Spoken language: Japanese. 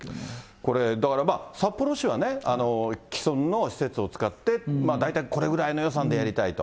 これだから、札幌市はね、既存の施設を使って大体これぐらいの予算でやりたいと。